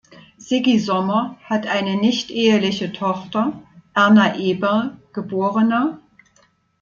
Sigi Sommer hat eine nichteheliche Tochter, Erna Eberl, geb.